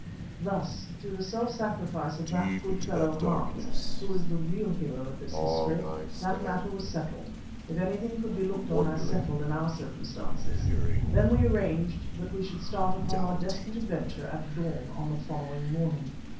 Thus through the self sacrifice of that good fellow, Hans, who is the real hero of this history, that matter was settled, if anything could be looked on as settled in our circumstances. Then we arranged that we would start upon our desperate adventure at dawn on the following morning.